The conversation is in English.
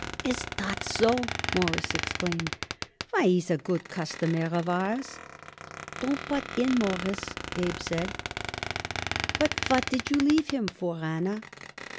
"Is that so?" Morris exclaimed. "Why, he's a good customer of ours." "Don't butt in, Mawruss," Abe said. "And what did you leave him for, Anna?"